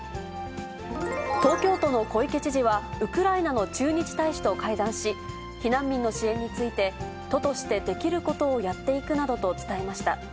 東京都の小池知事は、ウクライナの駐日大使と会談し、避難民の支援について、都としてできることをやっていくなどと伝えました。